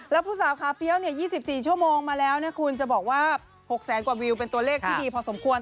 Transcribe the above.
แล้วผู้สาวขาเฟี้ยว๒๔ชั่วโมงมาแล้วนะคุณจะบอกว่า๖แสนกว่าวิวเป็นตัวเลขที่ดีพอสมควร